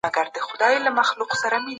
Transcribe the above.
شتمني باید د څو کسانو تر منځ نه وي.